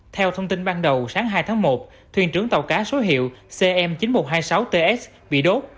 theo thông tin ban đầu sáng hai tháng một thuyền trưởng tàu cá số hiệu cm chín nghìn một trăm hai mươi sáu ts bị đốt